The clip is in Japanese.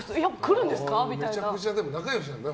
めちゃくちゃ仲良しだもんね。